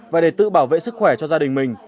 và để tự bảo vệ sức khỏe cho gia đình mình